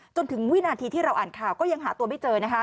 จนถึงวินาทีที่เราอ่านข่าวก็ยังหาตัวไม่เจอนะคะ